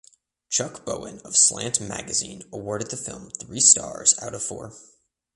Chuck Bowen of "Slant Magazine" awarded the film three stars out of four.